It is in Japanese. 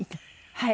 はい。